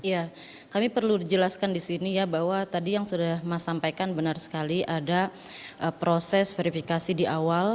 ya kami perlu dijelaskan di sini ya bahwa tadi yang sudah mas sampaikan benar sekali ada proses verifikasi di awal